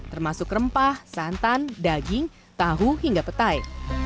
termasuk rempah santan daging tahu hingga petai